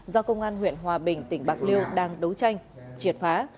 do công an huyện hòa bình tỉnh bạc liêu đang đấu tranh triệt phá